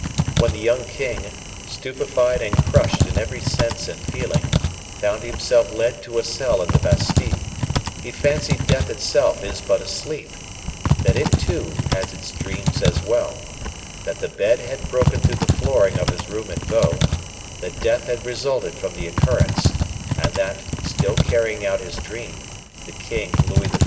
When the young king, stupefied and crushed in every sense and feeling, found himself led to a cell in the Bastile, he fancied death itself is but a sleep; that it, too, has its dreams as well; that the bed had broken through the flooring of his room at Vaux; that death had resulted from the occurrence; and that, still carrying out his dream, the king, Louis XIV.